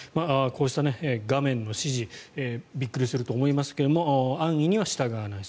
こうした画面の指示びっくりするとは思いますが安易には従わない。